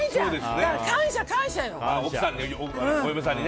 だから感謝、感謝よ。